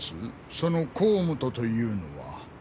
その甲本というのは。